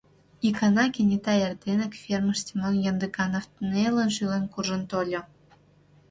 Икана кенета эрденак фермыш Семон Яндыганов нелын шӱлен куржын тольо.